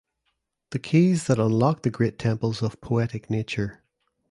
The keys that unlock the great temples of poetic nature.